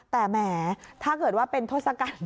แต่แหมถ้าเกิดว่าเป็นทศกัณฐ